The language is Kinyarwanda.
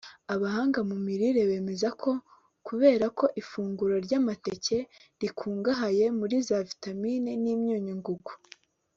Abahanga mu mirire bemeza ko kubera ko ifunguro ry’amateike rikungahaye muri za vitamin n’imyunyu ngugu